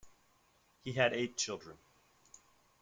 He had eight children.